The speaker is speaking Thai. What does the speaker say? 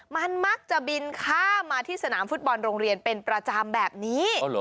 มันมักจะบินข้ามมาที่สนามฟุตบอลโรงเรียนเป็นประจำแบบนี้